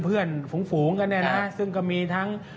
เพื่อนฝูงกันเนี่ยนะซึ่งก็มีทั้ง